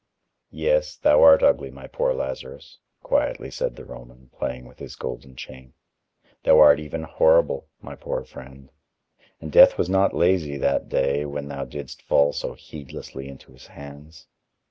"Yes, thou art ugly, my poor Lazarus," quietly said the Roman, playing with his golden chain; "thou art even horrible, my poor friend; and Death was not lazy that day when thou didst fall so heedlessly into his hands.